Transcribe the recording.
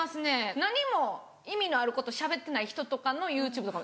何も意味のあることしゃべってない人とかのＹｏｕＴｕｂｅとかも。